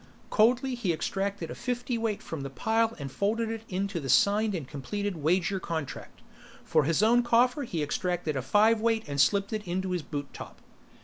Coldly he extracted a fiftyweight from the pile and folded it into the signed and completed wager contract. For his own coffer he extracted a fiveweight and slipped it into his boot top.